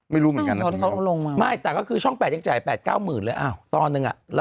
ไม่เอาก็ช่องแปดยังจ่าย๘๙๐ฟอร์ล